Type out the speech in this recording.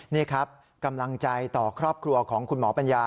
นี่ครับกำลังใจต่อครอบครัวของคุณหมอปัญญา